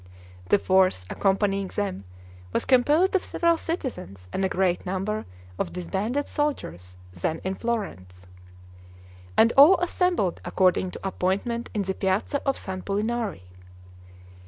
The force accompanying them was composed of several citizens and a great number of disbanded soldiers then in Florence: and all assembled according to appointment in the piazza of San Pulinari.